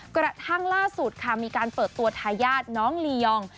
กระทั่งล่าสุดค่ะมีการเปิดตัวทายาทน้องลียอง